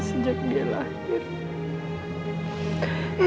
sejak dia lahir